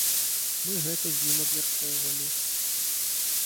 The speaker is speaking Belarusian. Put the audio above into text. Мы гэта з ім абмяркоўвалі.